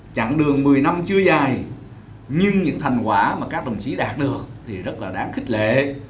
chặng đường một mươi năm chưa dài nhưng những thành quả mà các đồng chí đạt được thì rất là đáng khích lệ